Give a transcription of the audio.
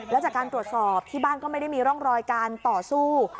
แล้วจากการตรวจสอบที่บ้านก็ไม่ได้มีร่องรอยการต่อสู้